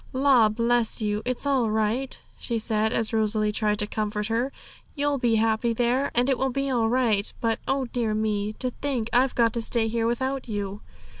'La, bless you, it's all right!' she said, as Rosalie tried to comfort her; 'you'll be happy there, and it will be all right. But, oh dear me! to think I've got to stay here without you!'